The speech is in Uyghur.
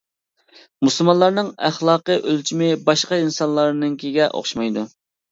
مۇسۇلمانلارنىڭ ئەخلاقىي ئۆلچىمى باشقا ئىنسانلارنىڭكىگە ئوخشىمايدۇ.